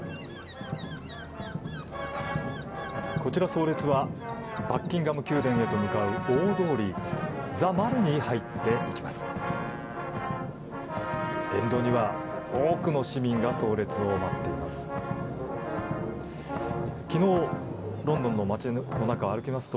葬列はバッキンガム宮殿へと向かう大通りザ・マルに入っていきます。